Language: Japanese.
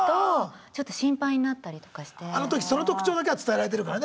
あの時その特徴だけは伝えられてるからね